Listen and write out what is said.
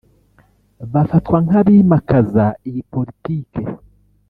bafatwa nk’abimakaza iyi Politike